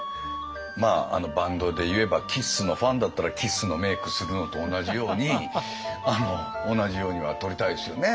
まあバンドでいえばＫＩＳＳのファンだったらＫＩＳＳのメークするのと同じように同じようには撮りたいですよね